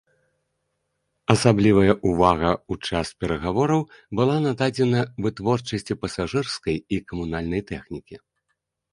Асаблівая ўвага ў час перагавораў было нададзена вытворчасці пасажырскай і камунальнай тэхнікі.